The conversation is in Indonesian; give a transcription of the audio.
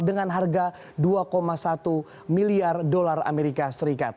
dengan harga dua satu miliar dolar amerika serikat